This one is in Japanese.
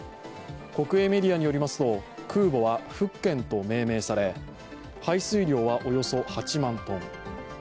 国営メディアによりますと、空母は「福建」と命名され、排水量はおよそ８万トン。